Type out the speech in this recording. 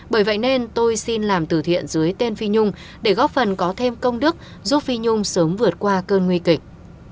bởi vậy nên tôi xin làm từ thiện dưới tên phi nhung để góp phần có thêm công đức giúp phi nhung sớm vượt qua cơn nguy kịch